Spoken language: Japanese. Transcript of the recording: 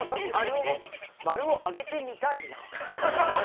○を挙げてみたいな。